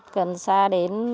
cần xa đến